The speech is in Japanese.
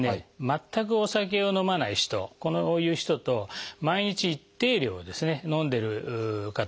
全くお酒を飲まない人こういう人と毎日一定量飲んでる方。